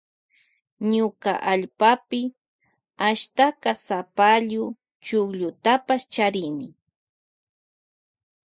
Ñuka allpapi charini ashtaka sapallu chukllutapash.